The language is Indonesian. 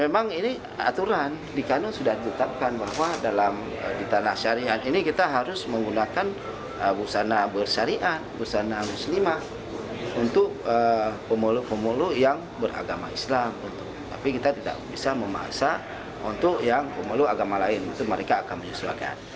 pemanggangan maskapai menghormati peraturan yang berlaku di aceh